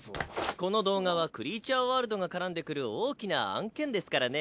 この動画はクリーチャーワールドが絡んでくる大きな案件ですからね。